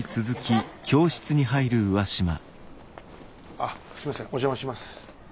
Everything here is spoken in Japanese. あすいませんお邪魔します。